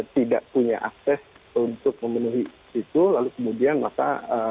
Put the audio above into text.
tidak punya akses untuk memenuhi itu lalu kemudian maka